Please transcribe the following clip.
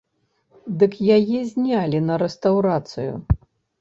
Дык яе знялі на рэстаўрацыю!